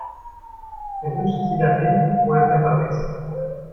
Er wünscht sie dahin, wo der Pfeffer wächst.